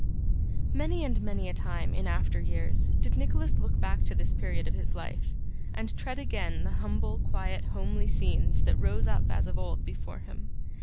Many and many a time in after years did Nicholas look back to this period of his life, and tread again the humble quiet homely scenes that rose up as of old before him.